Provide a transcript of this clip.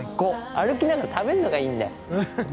歩きながら食べるのがいいんだよ。